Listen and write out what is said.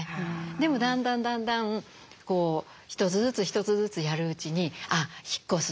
でもだんだんだんだん一つずつ一つずつやるうちに「あっ引っ越すんだ。